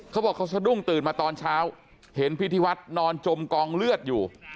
เขาบอกเขาสะดุ้งตื่นมาตอนเช้าเห็นพิธีวัฒน์นอนจมกองเลือดอยู่